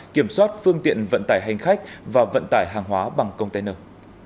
kiểm soát phương tiện vận tải hành khách và vận tải hàng hóa bằng container